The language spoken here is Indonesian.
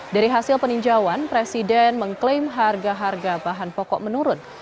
dari hasil peninjauan presiden mengklaim harga harga bahan pokok menurun